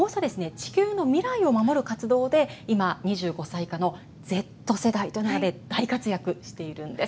地球の未来を守る活動で今２５歳以下のＺ世代が大活躍しているんです。